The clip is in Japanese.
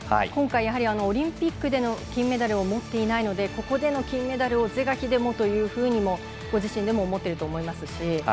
今回オリンピックでの金メダルを持っていないのでここでの金メダルを是が非でもと、ご自身でも思っていると思いますし。